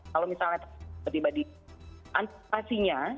kalau misalnya tiba tiba dia antisipasinya